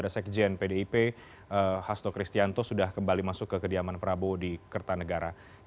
sekjen pdip hasto kristianto sudah kembali masuk ke kediaman prabowo di kertanegara